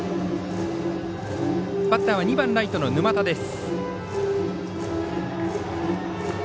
バッターは２番ライトの沼田です。